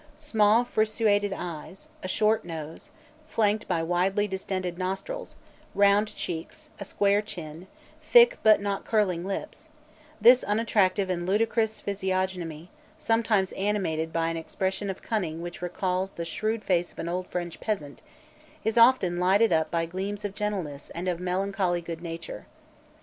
Small frseuated eyes, a short nose, flanked by widely distended nostrils, round cheeks, a square chin, thick, but not curling lips this unattractive and ludicrous physiognomy, sometimes animated by an expression of cunning which recalls the shrewd face of an old French peasant, is often lighted up by gleams of gentleness and of melancholy good nature.